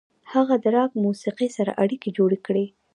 هغه د راک موسیقۍ سره اړیکې جوړې کړې.